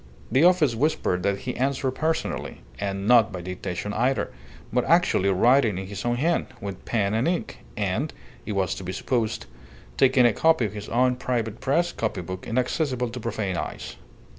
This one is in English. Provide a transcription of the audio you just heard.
The office whispered that he answered personally and not by dictation either, but actually writing in his own hand, with pen and ink, and, it was to be supposed, taking a copy in his own private press copy book, inaccessible to profane eyes.